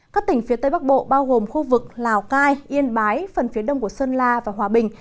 các tỉnh phía tây bắc bộ bao gồm khu vực lào cai yên bái phần phía đông của sơn la và hòa bình